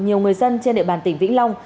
nhiều người dân trên địa bàn tỉnh vĩnh long